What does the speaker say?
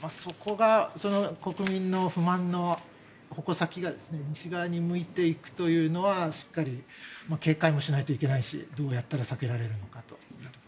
国民の不満の矛先が西側に向いていくというのはしっかり警戒もしないといけないしどうやったら避けられるかと。